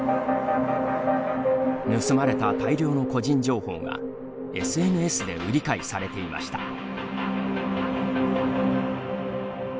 盗まれた大量の個人情報がＳＮＳで売り買いされていました。